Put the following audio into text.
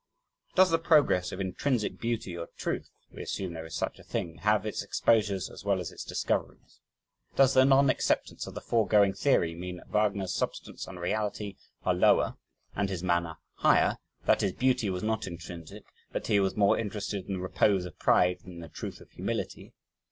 Does the progress of intrinsic beauty or truth (we assume there is such a thing) have its exposures as well as its discoveries? Does the non acceptance of the foregoing theory mean that Wagner's substance and reality are lower and his manner higher; that his beauty was not intrinsic; that he was more interested in the repose of pride than in the truth of humility?